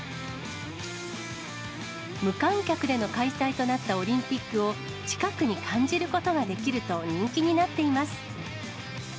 無観客での開催となったオリンピックを、近くに感じることができると人気になっています。